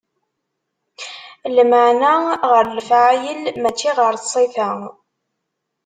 Lmeɛna ɣer lefɛayel, mačči ɣer ṣṣifa.